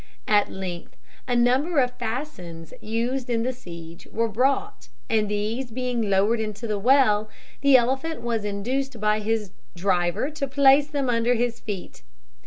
At length a number of fascines used in the siege were brought, and these being lowered into the well, the elephant was induced by his driver to place them under his feet.